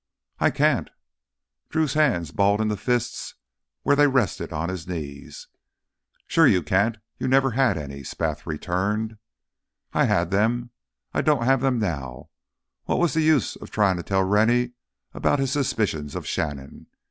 "I can't." Drew's hands balled into fists where they rested on his knees. "Sure you can't—you never had any!" Spath returned. "I had them. I don't have them now." What was the use of trying to tell Rennie about his suspicions of Shannon?